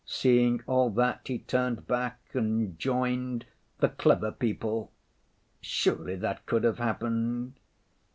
Seeing all that he turned back and joined—the clever people. Surely that could have happened?"